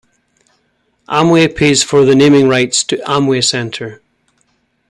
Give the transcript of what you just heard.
Amway pays for the naming rights to Amway Center.